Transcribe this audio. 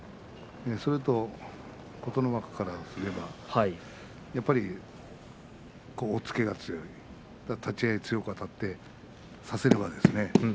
それに琴ノ若からすれば、やはり押っつけが強い立ち合い強くあたって差せればですね